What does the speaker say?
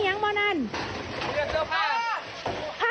หลังภองออก